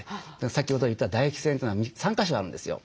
先ほど言った唾液腺というのは３か所あるんですよ。